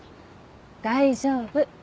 大丈夫。